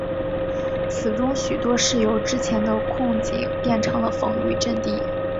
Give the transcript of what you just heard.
其中许多是由之前的矿井变成了防御阵地。